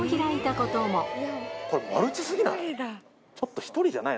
これ、マルチすぎない？